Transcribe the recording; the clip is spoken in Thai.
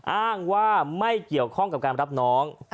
อ้างว่าไม่เกี่ยวข้องกับการรับน้อง